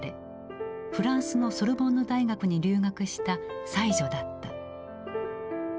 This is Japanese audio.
フランスのソルボンヌ大学に留学した才女だった。